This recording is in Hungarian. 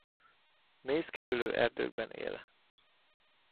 Mészkerülő erdőkben él.